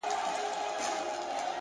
د کوڅې ورو تګ د فکر سرعت کموي!.